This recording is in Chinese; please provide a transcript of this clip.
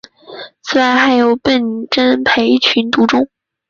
此外还有笨珍培群独中。